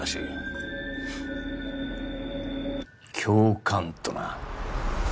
「教官」とな。